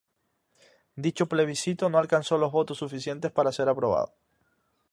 Dicho plebiscito no alcanzó los votos suficientes para ser aprobado.